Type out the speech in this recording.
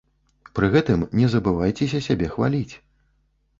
Пры гэтым не забывайцеся сябе хваліць.